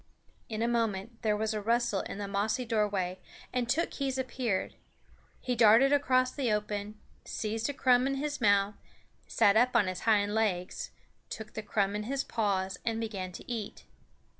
In a moment there was a rustle in the mossy doorway and Tookhees appeared. He darted across the open, seized a crumb in his mouth, sat up on his hind legs, took the crumb in his paws, and began to eat.